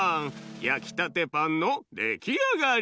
やきたてパンのできあがり！